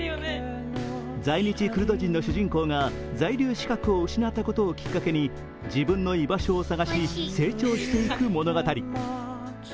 在日クルド人の主人公が在留資格を失ったことをきっかけに自分の居場所を探し成長していく物語。